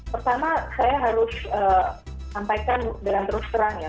pertama saya harus sampaikan dalam terus terang ya